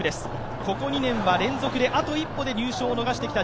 ここ２年は連続で、あと一歩で入賞を逃してきた。